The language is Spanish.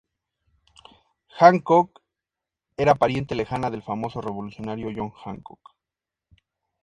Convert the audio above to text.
Hancock era pariente lejana del famoso revolucionario John Hancock.